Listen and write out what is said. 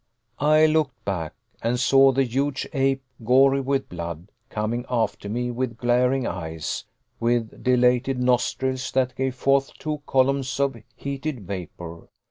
I looked back and saw the huge ape, gory with blood, coming after me with glaring eyes, with dilated nostrils that gave forth two columns of heated vapor.